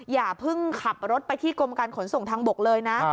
อย่าเพิ่งขับรถไปที่กรมการขนส่งทางบกเลยนะ